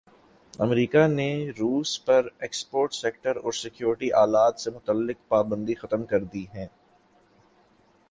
امریکا نے روس پرایکسپورٹ سیکٹر اور سیکورٹی آلات سے متعلق پابندیاں ختم کردی ہیں